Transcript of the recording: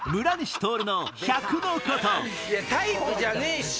タイプじゃねえし！